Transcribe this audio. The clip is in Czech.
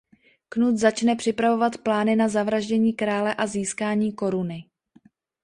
Knut začne připravovat plány na zavraždění krále a získání koruny.